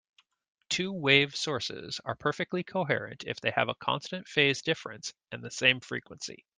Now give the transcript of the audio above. Two-wave sources are perfectly coherent if they have a constant phase difference and the same frequency.